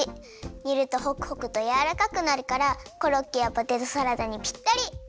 にるとホクホクとやわらかくなるからコロッケやポテトサラダにぴったり！